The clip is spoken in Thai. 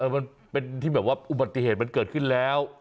มันเป็นที่แบบว่าอุบัติเหตุมันเกิดขึ้นแล้ว